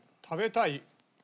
「食べたい」。